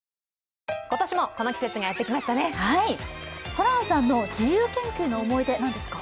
ホランさんの自由研究の思い出、何ですか？